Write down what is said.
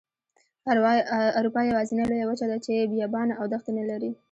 اروپا یوازینۍ لویه وچه ده چې بیابانه او دښتې نلري.